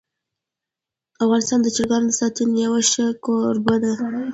افغانستان د چرګانو د ساتنې یو ښه کوربه دی.